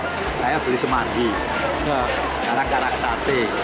saya beli semanggi karak karak sate